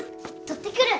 取ってくる。